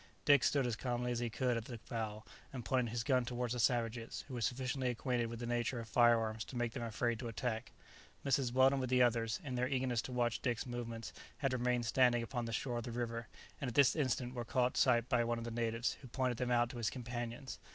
Dick stood as calmly as he could at the bow, and pointed his gun towards the savages, who were sufficiently acquainted with the nature of fire arms to make them afraid to attack him. Mrs. Weldon with the others, in their eagerness to watch Dick's movements, had remained standing upon the shore of the river, and at this instant were caught sight of by one of the natives, who pointed them out to his companions.